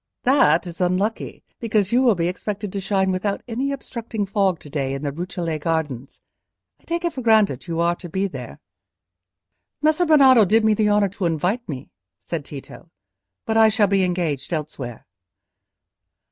"That is unlucky, because you will be expected to shine without any obstructing fog to day in the Rucellai Gardens. I take it for granted you are to be there." "Messer Bernardo did me the honour to invite me," said Tito; "but I shall be engaged elsewhere."